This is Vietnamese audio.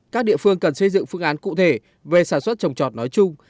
các địa phương cần xây dựng phương án cụ thể về sản xuất trồng trọt nói chung